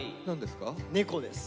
猫です。